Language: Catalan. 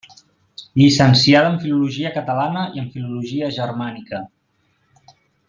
Llicenciada en filologia catalana i en filologia germànica.